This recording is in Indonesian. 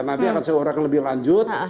nanti akan saya urakan lebih lanjut